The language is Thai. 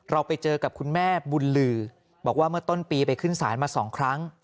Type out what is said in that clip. เราไปเจอกับคุณแม่บุญลือบอกว่าเมื่อต้นปีไปขึ้นศาลมา๒ครั้ง